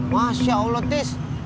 masya allah tis